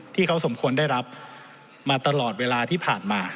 ที่เขาสมควรได้รับมาตลอดเวลาที่ผ่านมา